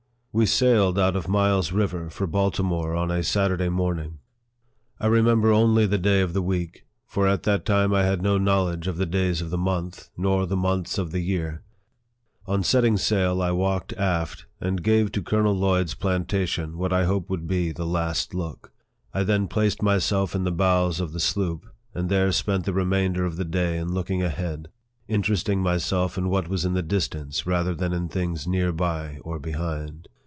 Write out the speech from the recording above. We sailed out of Miles River for Baltimore on a Saturday morning. I remember only the day of the week, for at that time I had no knowledge of the days of the month, nor the months of the year. On setting sail, I walked aft, and gave to Colonel Lloyd's plantation what I hoped would be the last look. I then placed myself in the bows of the sloop, and there spent the remainder of the day in looking ahead, interesting myself in what was in the distance rather than in things near by or behind.